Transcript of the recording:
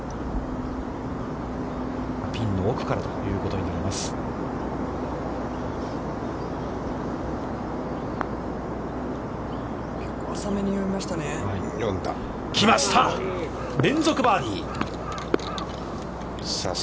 ピンの奥からということになります。